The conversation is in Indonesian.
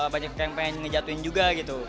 banyak yang pengen ngejatuhin juga gitu